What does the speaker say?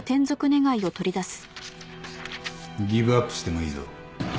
ギブアップしてもいいぞ。